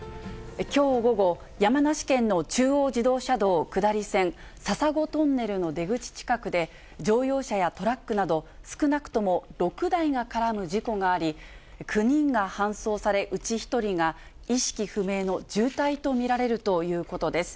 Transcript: きょう午後、山梨県の中央自動車道下り線笹子トンネルの出口近くで、乗用車やトラックなど少なくとも６台が絡む事故があり、９人が搬送され、うち１人が意識不明の重体と見られるということです。